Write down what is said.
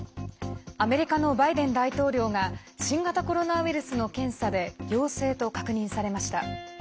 アメリカのバイデン大統領が新型コロナウイルスの検査で陽性と確認されました。